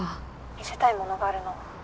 見せたいものがあるの。